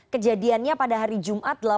kejadiannya pada hari jumat